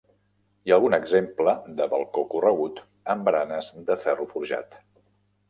Hi ha algun exemple de balcó corregut amb baranes de ferro forjat.